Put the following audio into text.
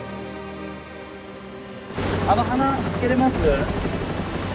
あの鼻つけれます？